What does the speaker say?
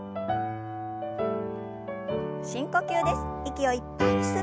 深呼吸です。